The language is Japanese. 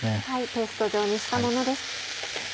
ペースト状にしたものです。